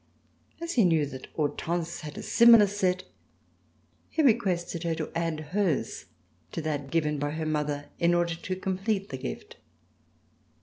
As he knew that Hortense had a similar set, he requested her to add hers to that given by her mother, in order to complete the gift.